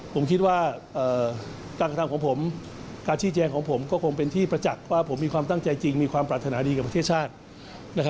ผมคิดว่าการกระทำของผมการชี้แจงของผมก็คงเป็นที่ประจักษ์ว่าผมมีความตั้งใจจริงมีความปรารถนาดีกับประเทศชาติ